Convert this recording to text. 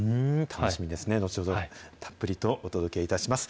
楽しみですね、後ほどたっぷりとお届けいたします。